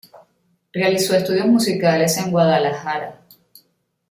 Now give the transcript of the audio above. Realizó estudios musicales en Guadalajara.